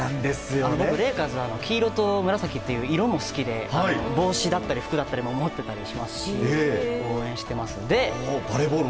レイカーズは黄色と紫という色も好きで帽子だったり服だったりを持っていたりもしますし応援しています。